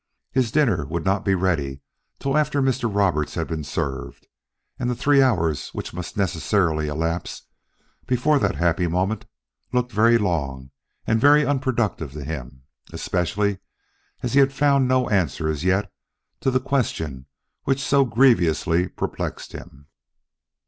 His dinner would not be ready till after Mr. Roberts had been served, and the three hours which must necessarily elapse before that happy moment looked very long and very unproductive to him, especially as he had found no answer as yet to the question which so grievously perplexed him.